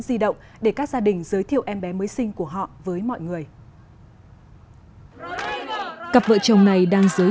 di động để các gia đình giới thiệu em bé mới sinh của họ với mọi người cặp vợ chồng này đang giới